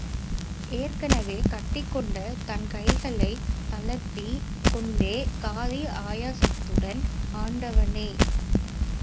ஏற்கெனவே கட்டிக் கொண்ட தன் கைகளைத் தளர்த்திக் கொண்டே காதி ஆயாசத்துடன், ஆண்டவனே!